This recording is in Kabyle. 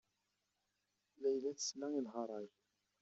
Layla tesla i lharaǧ.